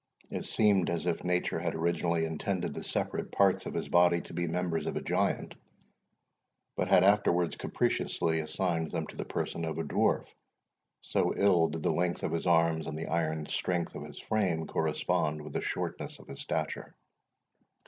It seemed as if nature had originally intended the separate parts of his body to be the members of a giant, but had afterwards capriciously assigned them to the person of a dwarf, so ill did the length of his arms and the iron strength of his frame correspond with the shortness of his stature.